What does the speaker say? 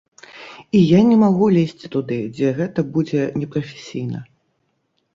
І я не магу лезці туды, дзе гэта будзе непрафесійна!